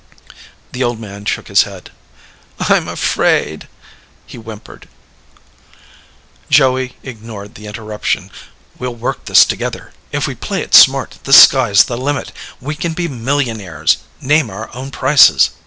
The old man shook his head. "I'm afraid," he whimpered. Joey ignored the interruption. "We'll work this together. If we play it smart, the sky's the limit. We can be millionaires. Name our own prices."